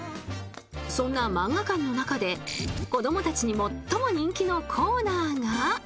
そんな萬画館の中で子供たちに最も人気のコーナーが。